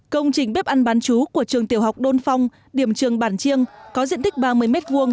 công trình bếp ăn bán chú của trường tiểu học đôn phong điểm trường bản chiêng có diện tích ba mươi m hai